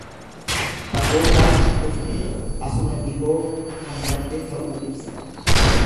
Fagoodhaa hin dhufne asuma dhihoo kan madde ta'uu ibsa.